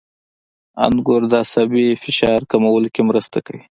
• انګور د عصبي فشار کمولو کې مرسته کوي.